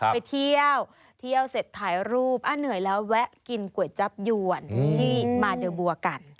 ไปเที่ยวเที่ยวเสร็จถ่ายรูปเหนื่อยแล้วแวะกินก๋วยจับยวนที่มาเดอร์บัวกัน